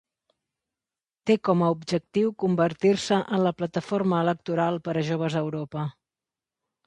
Té com a objectiu convertir-se en la plataforma electoral per a joves a Europa.